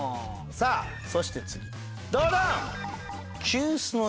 さあそして次ドドン！